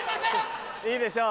いいでしょう。